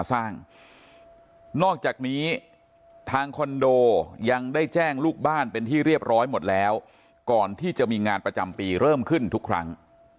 นอกจากนี้ทางคอนโดยังได้แจ้งลูกบ้านเป็นที่เรียบร้อยหมดแล้วก่อนที่จะมีงานประจำปีเริ่มขึ้นทุกครั้ง